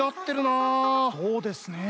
そうですねえ。